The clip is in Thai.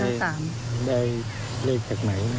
ได้เลขจากไหน